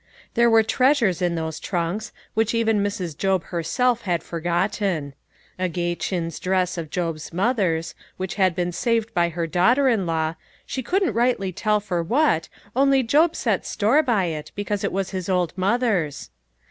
There were treasures in those trunks, which even Mrs* Job herself had forgotten. A gay chintz dress of Job's mother's, which had been saved by her daughter in law " she couldn't rightly tell for what, only Job set store by it because it was his old mother's."